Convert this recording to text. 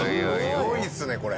すごいですねこれ。